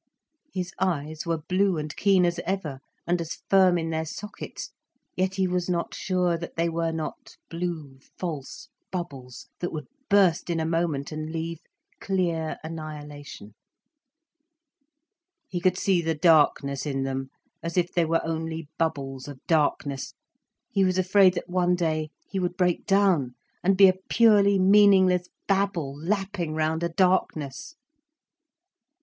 His eyes were blue and keen as ever, and as firm in their sockets. Yet he was not sure that they were not blue false bubbles that would burst in a moment and leave clear annihilation. He could see the darkness in them, as if they were only bubbles of darkness. He was afraid that one day he would break down and be a purely meaningless babble lapping round a darkness.